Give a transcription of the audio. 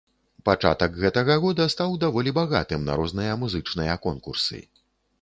Пачатак гэтага года стаў даволі багатым на розныя музычныя конкурсы.